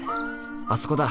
あそこだ。